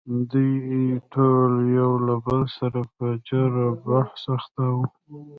دوی ټول یو له بل سره په جر و بحث اخته وو.